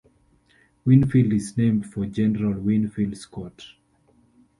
Winfield is named for General Winfield Scott.